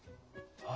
ああ！